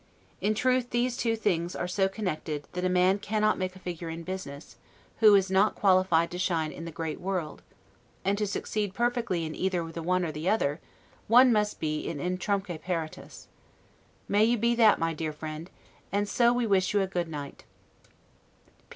In truth, these two things are so connected, that a man cannot make a figure in business, who is not qualified to shine in the great world; and to succeed perfectly in either the one or the other, one must be in 'utrumque paratus'. May you be that, my dear friend! and so we wish you a good night.